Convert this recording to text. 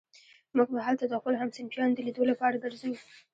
موږ به هلته د خپلو همصنفيانو د ليدو لپاره درځو.